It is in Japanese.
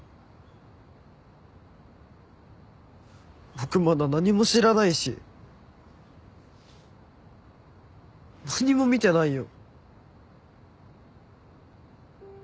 僕まだ何も知らないし何も見てないよ。